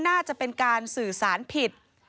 น่าจะเป็นการสื่อสารผิด